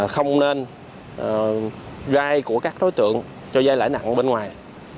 không nên vay của các đối tượng cho vay lãi nặng bên ngoài